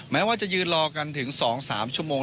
แม้ว่ายืนรอกันสำหรับสองสามชั่วโมง